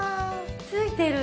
ついてる。